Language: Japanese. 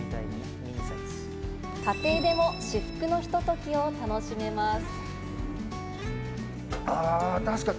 家庭でも至福のひとときを楽しめます。